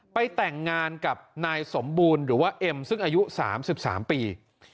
ไปแต่งงานกับนายสมบูรณ์หรือว่าเอ็มซึ่งอายุสามสิบสามปี